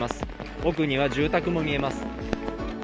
奥には住宅も見えます。